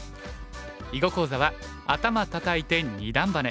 囲碁講座は「アタマたたいて二段バネ」。